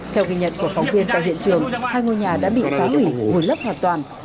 theo ghi nhận của phóng viên tại hiện trường hai ngôi nhà đã bị phá hủy vùi lấp hoàn toàn